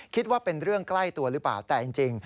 คิดว่าเป็นเรื่องใกล้ตัวหรือเปล่าแต่จริง